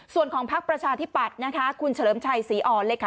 ส่วนของพักประชาธิปัตย์นะคะคุณเฉลิมชัยศรีอ่อนเลยค่ะ